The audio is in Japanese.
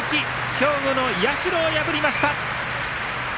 兵庫の社を破りました。